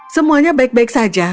semuanya baik baik saja